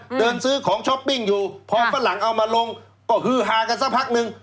เดินซื้อของช้อปปิ้งอยู่พอฝรั่งเอามาลงก็คือฮากันสักพักหนึ่ง